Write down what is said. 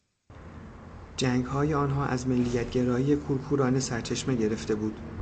جنگهای آنها از ملیت گرایی کورکورانه سرچشمه گرفته بود.